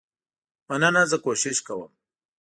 مننه زه کوشش کوم.